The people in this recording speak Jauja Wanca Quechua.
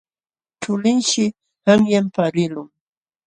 Chulinshi qanyan paqarilqun.